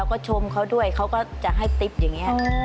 เราก็ชมเขาด้วยเขาก็จะมีคำพิวเทียนอย่างนี้